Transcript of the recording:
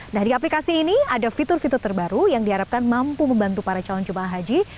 nah di aplikasi ini ada fitur fitur terbaru yang diharapkan mampu membantu para calon jemaah haji